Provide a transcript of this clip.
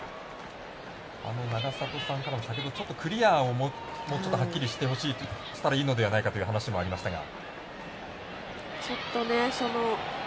永里さんからは先ほどちょっとクリアをもうちょっとはっきりしたほうがいいのではという話もありましたが。